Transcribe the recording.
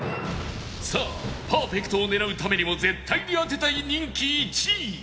さあパーフェクトを狙うためにも絶対に当てたい人気１位